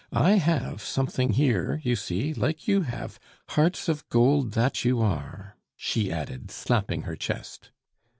I have something here, you see, like you have, hearts of gold that you are," she added, slapping her chest.